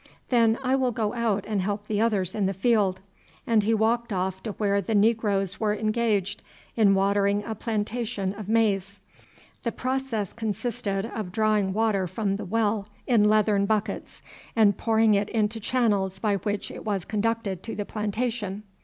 "Then I will go out and help the others in the field;" and he walked off to where the negroes were engaged in watering a plantation of maize. The process consisted of drawing water from the well in leathern buckets and pouring it into channels by which it was conducted to the plantation.